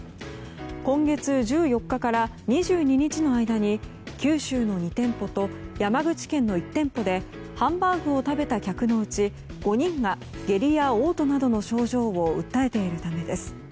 今月１４日から２２日の間に九州の２店舗と山口県の１店舗でハンバーグを食べた客のうち５人が下痢や嘔吐などの症状を訴えているためです。